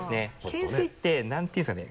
懸垂ってなんていうんですかね